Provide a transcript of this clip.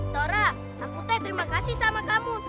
dora aku terima kasih sama kamu